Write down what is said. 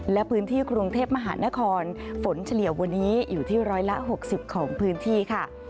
และพื้นที่กรุงเทพมหานครฝนเฉลี่ยวันนี้อยู่ที่ร้อยละ๖๐ของพื้นที่ค่ะ